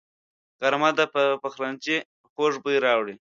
غرمه د پخلنځي خوږ بوی راوړي